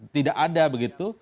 tidak ada begitu